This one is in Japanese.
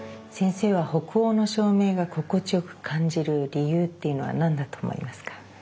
先生は北欧の照明が心地よく感じる理由っていうのは何だと思いますか？